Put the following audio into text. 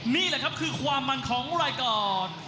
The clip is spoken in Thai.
นี่แหละครับคือความมันของรายการ